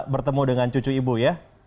bertemu dengan cucu ibu ya